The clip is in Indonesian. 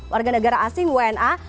warga negara asing wna